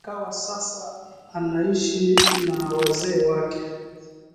Akawa sasa anaishi na wazee wake